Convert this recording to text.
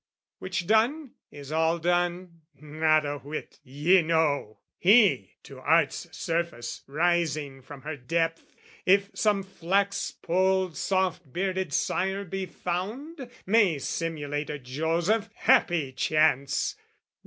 Which done, is all done? Not a whit, ye know! He, to art's surface rising from her depth, If some flax polled soft bearded sire be found, May simulate a Joseph (happy chance!)